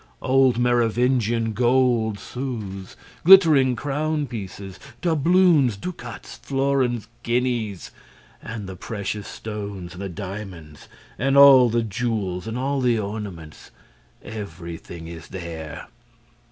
Old Merovingian gold sous, glittering crown pieces, doubloons, ducats, florins, guineas; and the precious stones and the diamonds; and all the jewels and all the ornaments: everything is there.